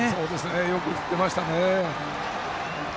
よく振ってましたね。